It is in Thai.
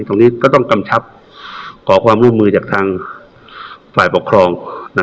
ตรงนี้ก็ต้องกำชับขอความร่วมมือจากทางฝ่ายปกครอง